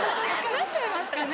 なっちゃいますかね？